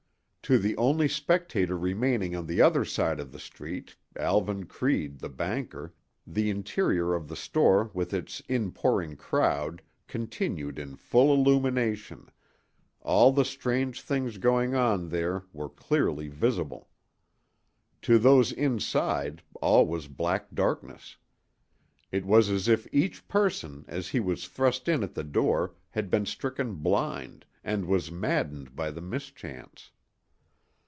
To the only spectator remaining on the other side of the street—Alvan Creede, the banker—the interior of the store with its inpouring crowd continued in full illumination; all the strange things going on there were clearly visible. To those inside all was black darkness. It was as if each person as he was thrust in at the door had been stricken blind, and was maddened by the mischance.